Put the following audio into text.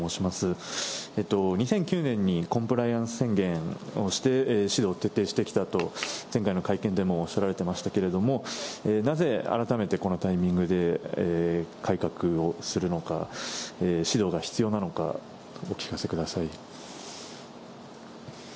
２００９年にコンプライアンス宣言をして指導を徹底してきたと、前回の会見でもおっしゃられてましたけれども、なぜ改めてこのタイミングで改革をするのか、指導が必要なのか、お聞かせください。